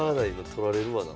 取られるわな